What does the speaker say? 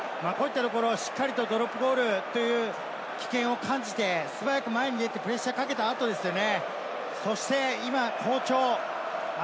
顔面チャージ、こういったところをしっかりドロップゴールという危険を感じて、素早く前に出て、プレッシャーをかけた後ですよね。